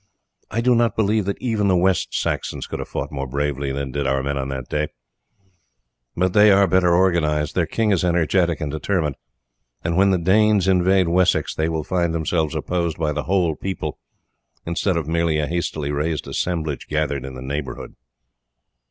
I do not believe that even the West Saxons could have fought more bravely than did our men on that day; but they are better organized, their king is energetic and determined, and when the Danes invade Wessex they will find themselves opposed by the whole people instead of merely a hastily raised assemblage gathered in the neighbourhood."